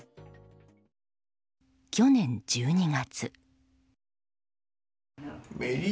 去年１２月。